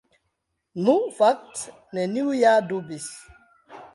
Nu, fakte, neniu ja dubis.